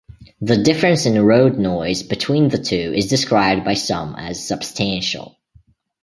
The difference in road noise between the two is described by some as substantial.